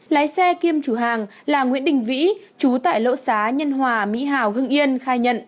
lái xe kiêm chủ hàng là nguyễn đình vĩ chú tại lỗ xá nhân hòa mỹ hào hưng yên khai nhận